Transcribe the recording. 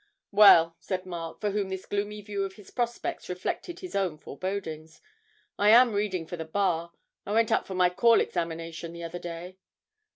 'Well,' said Mark, for whom this gloomy view of his prospects reflected his own forebodings, 'I am reading for the Bar. I went up for my call examination the other day.'